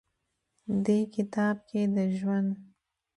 دې کتاب کښې د ژوند